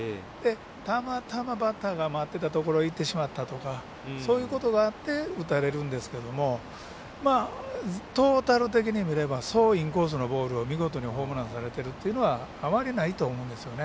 たまたま、バッターが待ってたところにいってしまったとかそういうことがあって打たれるんですけどもトータル的に見ればそう、インコースのボールを見事にホームランされてるっていうのはあまりないと思うんですよね。